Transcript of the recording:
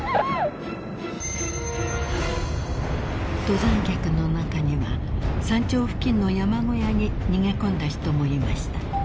［登山客の中には山頂付近の山小屋に逃げ込んだ人もいました］